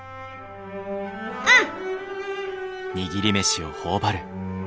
うん！